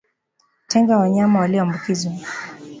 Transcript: Tenga wanyama walioambukizwa